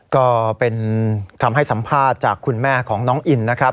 ก็เป็นคำให้สัมภาษณ์จากคุณแม่ของน้องอินนะครับ